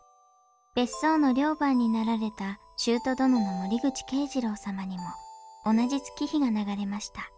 別荘の寮番になられた舅殿の森口慶次郎様にも同じ月日が流れました。